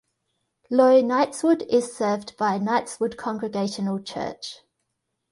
Low Knightswood is served by Knightswood Congregational church.